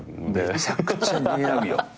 めちゃくちゃ似合うよ。